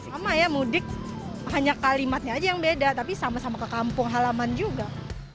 sama ya mudik hanya kalimatnya aja yang beda tapi sama sama ke kampung halaman juga